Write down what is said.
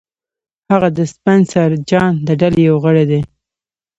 هغه د سپنسر جان د ډلې یو غړی دی